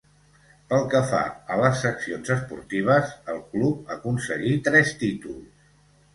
Pel que fa a les seccions esportives, el club aconseguí tres títols.